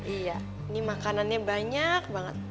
ini makanannya banyak banget